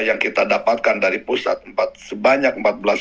yang kita dapatkan dari pusat sebanyak